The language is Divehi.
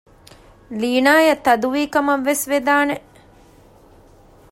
ލީނާއަށް ތަދުވީ ކަމަށްވެސް ވެދާނެ